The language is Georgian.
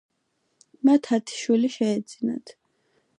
მათ ათი შვილი შეეძინათ.